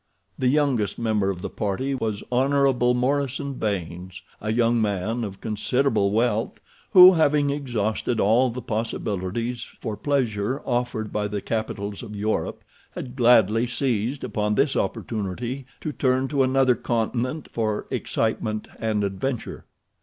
The youngest member of the party was Hon. Morison Baynes, a young man of considerable wealth who, having exhausted all the possibilities for pleasure offered by the capitals of Europe, had gladly seized upon this opportunity to turn to another continent for excitement and adventure.